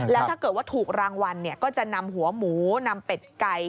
แล้วถ้าเกิดว่าถูกรางวัลก็จะนำหัวหมูนำเป็ดไก่